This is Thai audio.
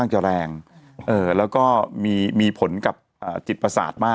มีสารตั้งต้นเนี่ยคือยาเคเนี่ยใช่ไหมคะ